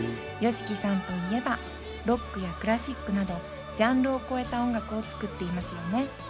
ＹＯＳＨＩＫＩさんといえば、ロックやクラシックなどジャンルを超えた音楽を作っていますよね。